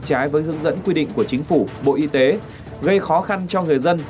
trái với hướng dẫn quy định của chính phủ bộ y tế gây khó khăn cho người dân